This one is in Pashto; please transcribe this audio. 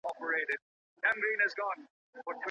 کوچ بې شړومبو نه جلا کېږي.